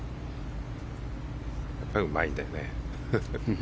やっぱりうまいんだよね。